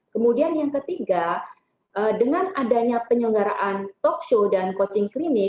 kemudian yang ketiga dengan adanya penyelenggaraan talk show dan coaching clinik